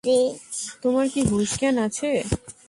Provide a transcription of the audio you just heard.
তোমার কি হুঁশ জ্ঞান আছে?